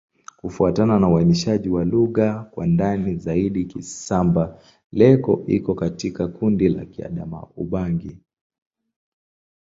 Kufuatana na uainishaji wa lugha kwa ndani zaidi, Kisamba-Leko iko katika kundi la Kiadamawa-Ubangi.